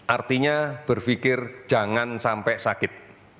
artinya berpikir jangan sampai sakit